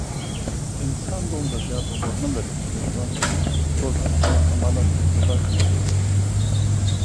انسان دومره زیات عمر نه لري، چې د ژوند ټول اړخونه عملاً تجربه کړي.